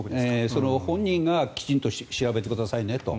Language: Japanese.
本人がきちんと調べてくださいねと。